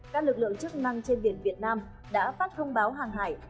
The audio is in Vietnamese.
các lực lượng chức năng trên biển việt nam đã phát thông báo hàng hải